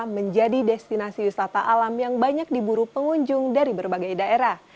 menjadi destinasi wisata alam yang banyak diburu pengunjung dari berbagai daerah